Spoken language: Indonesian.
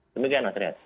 demikian mas riyad